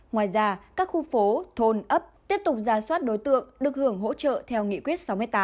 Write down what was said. ngoài ra các khu phố thôn ấp tiếp tục ra soát đối tượng được hưởng hỗ trợ theo nghị quyết sáu mươi tám